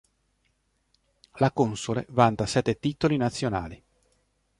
La Console vanta sette titoli nazionali.